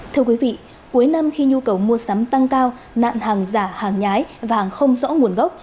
thưa quý vị cuối năm khi nhu cầu mua sắm tăng cao nạn hàng giả hàng nhái vàng không rõ nguồn gốc